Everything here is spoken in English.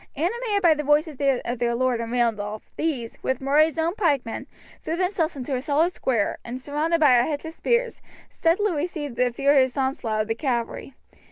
Animated by the voices of their lord and Randolph, these, with Moray's own pikemen, threw themselves into a solid square, and, surrounded by a hedge of spears, steadily received the furious onslaught of the cavalry.